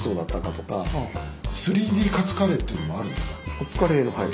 カツカレーのはい。